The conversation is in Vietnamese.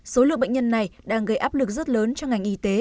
số lượng bệnh nhân này đang gây áp lực rất lớn cho ngành y tế